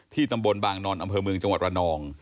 ตำบลบางนอนอำเภอเมืองจังหวัดระนอง